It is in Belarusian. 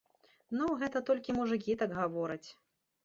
Ну, гэта толькі мужыкі так гавораць.